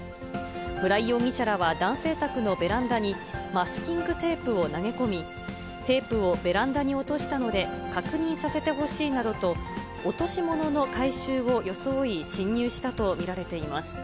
村井容疑者らは男性宅のベランダに、マスキングテープを投げ込み、テープをベランダに落としたので、確認させてほしいなどと、落とし物の回収を装い侵入したと見られています。